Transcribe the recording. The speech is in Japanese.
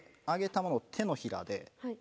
上げたものを手のひらで。